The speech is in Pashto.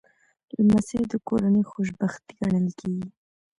لمسی د کورنۍ خوشبختي ګڼل کېږي.